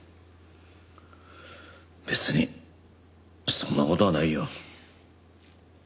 別にそんな事はないよ。